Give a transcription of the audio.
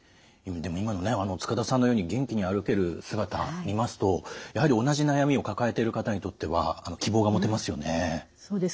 でも今のね塚田さんのように元気に歩ける姿見ますとやはり同じ悩みを抱えてる方にとっては希望が持てますよね。